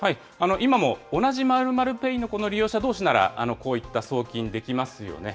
今も同じ○○ペイの利用者どうしなら、こういった送金できますよね。